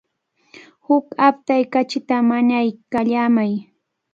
Huk aptay kachita mañaykallamay.